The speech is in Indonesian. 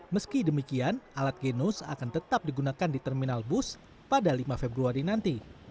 meski demikian alat genos akan tetap digunakan di terminal bus pada lima februari nanti